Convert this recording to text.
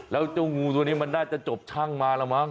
แล้วเจ้างูตัวนี้มันน่าจะจบช่างมาแล้วมั้ง